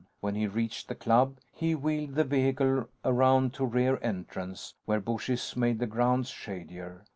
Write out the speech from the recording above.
When he reached the Club, he wheeled the vehicle around to a rear entrance where bushes made the grounds shadier.